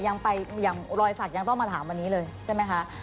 ยังไปอย่างรอยสักยังต้องมาถามวันนี้เลยใช่ไหมคะ